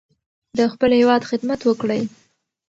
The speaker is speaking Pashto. د خپل هیواد خدمت وکړئ.